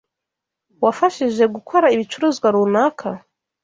Wafashije gukora ibicuruzwa runaka?